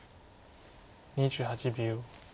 ２８秒。